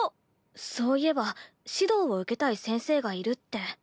そういえば指導を受けたい先生がいるって。